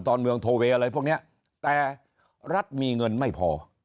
ตอนเมืองโทเวย์อะไรพวกนี้แต่รัฐมีเงินไม่พอ